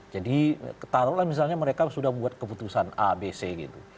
jadi misalnya mereka sudah membuat keputusan abc gitu